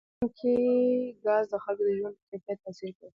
په افغانستان کې ګاز د خلکو د ژوند په کیفیت تاثیر کوي.